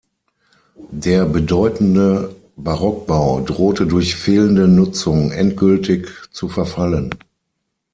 Der bedeutende Barockbau drohte durch fehlende Nutzung endgültig zu verfallen.